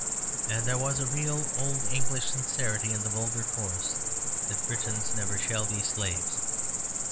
And there was a real old English sincerity in the vulgar chorus that "Britons never shall be slaves."